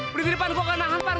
berhenti pan gue akan nahan pan